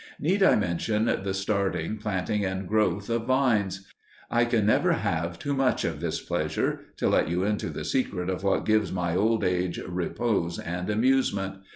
Need I mention the starting, planting, and growth of vines? I can never have too much of this pleasure to let you into the secret of what gives my old age repose and amusement.